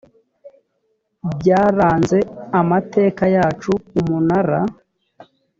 byaranze amateka yacu umunara